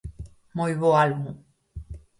Moi bo álbum!